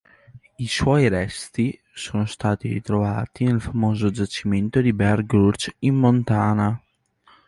I suoi resti sono stati ritrovati nel famoso giacimento di Bear Gulch, in Montana.